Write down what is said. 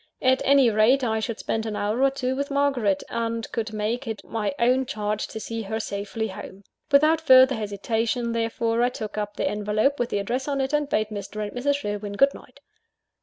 At any rate, I should spend an hour or two with Margaret, and could make it my own charge to see her safely home. Without further hesitation, therefore I took up the envelope with the address on it, and bade Mr. and Mrs. Sherwin good night.